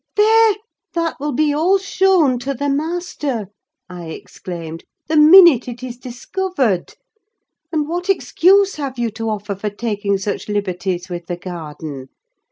"There! That will be all shown to the master," I exclaimed, "the minute it is discovered. And what excuse have you to offer for taking such liberties with the garden?